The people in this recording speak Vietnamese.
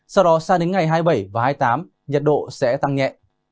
sau đó sang đến ngày hai mươi bảy và hai mươi tám nhiệt độ sẽ tăng nhẹ